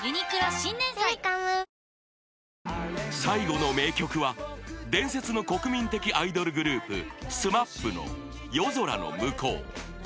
［最後の名曲は伝説の国民的アイドルグループＳＭＡＰの『夜空ノムコウ』］